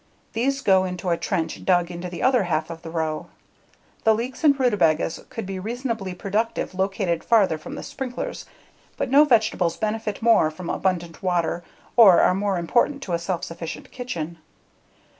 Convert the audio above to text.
These go into a trench dug into the other half of the row. The leeks and rutabagas could be reasonably productive located farther from the sprinklers, but no vegetables benefit more from abundant water or are more important to a self sufficient kitchen.